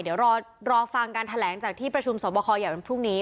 เดี๋ยวรอฟังการแถลงจากที่ประชุมสอบคอใหญ่วันพรุ่งนี้